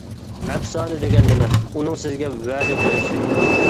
ئەپسانە دېگەن نېمە؟ ئۇنىڭ سىزگە ۋەدە بېرىشى.